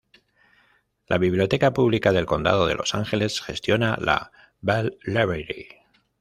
La Biblioteca Pública del Condado de Los Ángeles gestiona la "Bell Library".